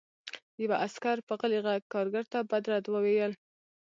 یوه عسکر په غلي غږ کارګر ته بد رد وویل